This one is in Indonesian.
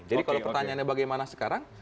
jadi kalau pertanyaannya bagaimana sekarang